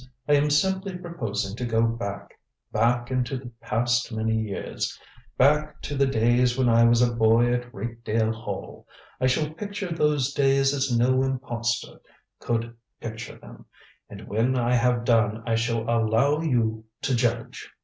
I am simply proposing to go back back into the past many years back to the days when I was a boy at Rakedale Hall. I shall picture those days as no impostor could picture them and when I have done I shall allow you to judge."